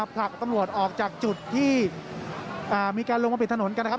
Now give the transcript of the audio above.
ผลักตำรวจออกจากจุดที่มีการลงมาปิดถนนกันนะครับ